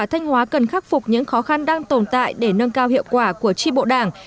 thanh hóa cần khắc phục những khó khăn đang tồn tại để nâng cao hiệu quả của tri bộ đảng